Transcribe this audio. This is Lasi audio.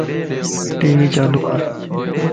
ٽي وي چالو ڪر